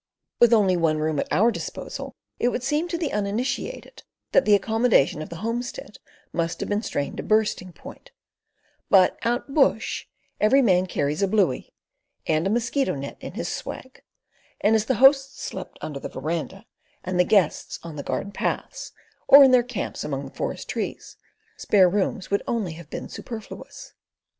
With only one room at our disposal it would seem to the uninitiated that the accommodation of the homestead must have been strained to bursting point; but "out bush" every man carries a "bluey" and a mosquito net in his swag, and as the hosts slept under the verandah, and the guests on the garden paths, or in their camps among the forest trees, spare rooms would only have been superfluous.